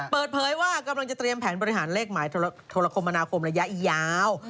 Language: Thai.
เปิดเผยว่ากำลังจะเตรียมแผนบริหารเลขหมายโทรคมมนาคมระยะยาว